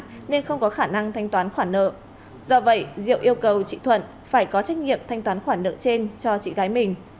tuy nhiên không có khả năng thanh toán khoản nợ do vậy diệu yêu cầu chị thuận phải có trách nhiệm thanh toán khoản nợ trên cho chị gái mình